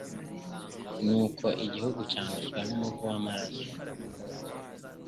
nuko igihugu cyanduzwa n’umuvu w’ayo maraso